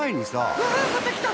うわあまたきた！